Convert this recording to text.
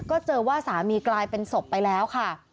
ก็เจอว่าสามีกลายเป็นศพไปแล้วค่ะ